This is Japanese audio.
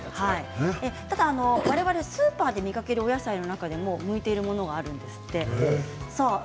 ただ、我々がスーパーで見かけるお野菜の中でも向いているものがあるそうです。